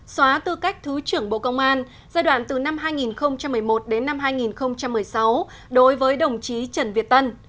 xóa tư cách thứ trưởng bộ công an giai đoạn từ năm hai nghìn một mươi một đến năm hai nghìn một mươi sáu đối với đồng chí trần việt tân